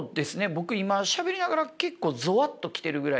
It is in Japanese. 僕今しゃべりながら結構ゾワッと来てるぐらいなので。